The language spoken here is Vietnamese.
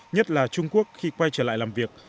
nhất là trung quốc khi quay trở lại làm việc